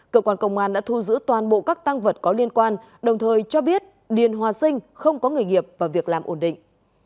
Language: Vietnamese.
cơ quan công an đã thu giữ toàn bộ các tăng vật có liên quan đồng thời cho biết điền hòa sinh không có người nghiệp và việc làm ổn định